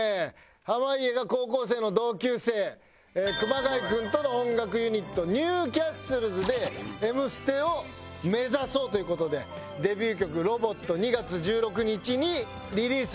濱家が高校生の同級生熊谷君との音楽ユニットＮｅｗＣａｓｔｌｅｓで『Ｍステ』を目指そうという事でデビュー曲『ロボット』２月１６日にリリースしましたよね。